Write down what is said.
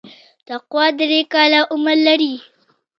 تقوا درې کاله عمر لري.